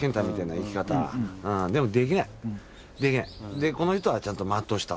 でこの人はちゃんと全うした。